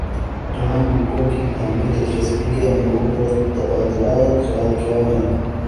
دونوں ملکوں کی باہمی دلچسپی کے امور پر تبادلہ خیال کیا ہے